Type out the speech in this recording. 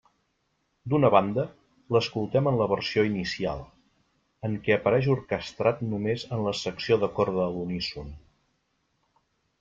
D'una banda, l'escoltem en la versió inicial, en què apareix orquestrat només en la secció de corda a l'uníson.